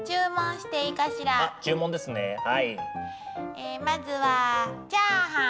えまずはチャーハン。